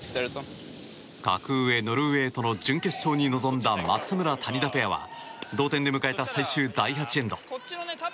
格上ノルウェーとの準決勝に臨んだ松村、谷田ペアは同点で迎えた最終第８エンド。